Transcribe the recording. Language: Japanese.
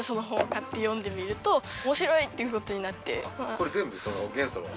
これ全部元素の本？